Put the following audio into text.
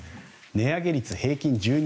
値上げ率平均１２％